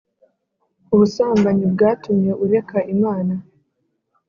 ubusambanyi bwatumye ureka Imana